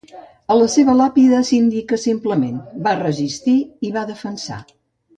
A la seva làpida s'indica simplement: va resistir i va defensar.